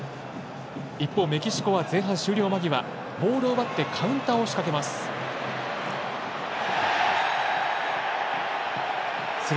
一方、メキシコは前半終了間際ボールを奪ってカウンターを仕掛けます。